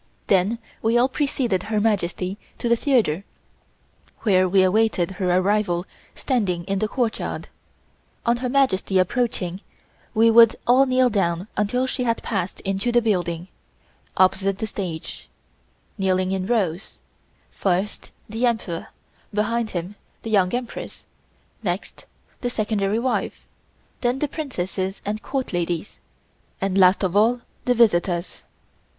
Then we all preceded Her Majesty to the theatre, where we awaited her arrival standing in the courtyard. On Her Majesty appearing, we would all kneel down until she had passed into the building opposite the stage, kneeling in rows first the Emperor, behind him the Young Princess, next the Secondary wife, then the Princesses and Court ladies, and last of all the visitors.